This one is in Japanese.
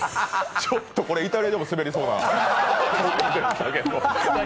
これ、イタリアでも滑りそうな。